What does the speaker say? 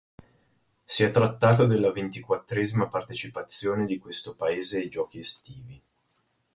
Si è trattato della ventiquattresima partecipazione di questo paese ai Giochi estivi.